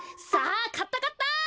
さあかったかった！